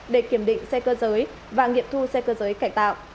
để kiểm định xe cơ giới và nghiệm thu xe cơ giới cải tạo